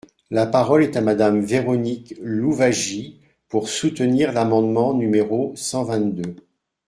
La parole est à Madame Véronique Louwagie, pour soutenir l’amendement numéro cent vingt-deux.